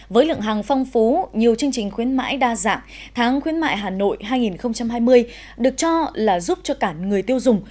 với lượng hàng phong phú nhiều chương trình khuyến mãi đa dạng tháng khuyến mại hà nội hai nghìn hai mươi được cho là giúp cho cả người tiêu dùng